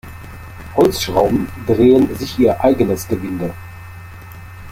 Holzschrauben drehen sich ihr eigenes Gewinde.